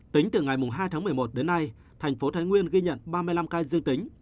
tính từ ngày hai tháng một mươi một đến nay thành phố thái nguyên ghi nhận ba mươi năm ca dương tính